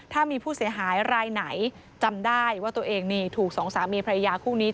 ถ้ามีผู้เสียหายรายไหนจำได้ว่าตัวเองนี่ถูกสองสามีพระยาคู่นี้